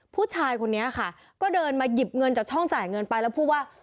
ผู้ชายคนนี้ค่ะก็เดินมาหยิบเงินจากช่องจ่ายเงินไปแล้วพูดว่า